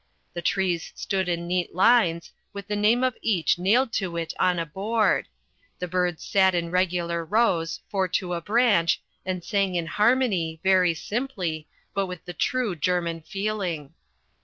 The trees stood in neat lines, with the name of each nailed to it on a board. The birds sat in regular rows, four to a branch, and sang in harmony, very simply, but with the true German feeling.